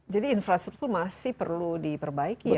jadi infrastruktur masih perlu diperbaiki ya